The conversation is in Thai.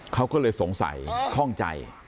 เขาก็เลยสงสัยข้องใจ